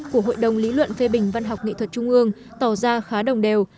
của hội đồng lý luận phê bình văn học nghệ thuật trung ương tỏ ra khá đồng đều